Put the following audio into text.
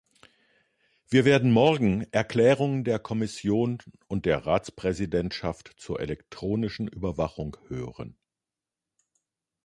Wir werden morgen Erklärungen der Kommission und der Ratspräsidentschaft zur elektronischen Überwachung hören.